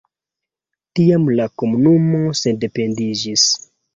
Tiam la komunumo sendependiĝis.